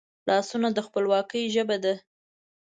لاسونه د خپلواکي ژبه ده